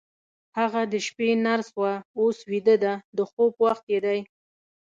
هغه د شپې نرس وه، اوس بیده ده، د خوب وخت یې دی.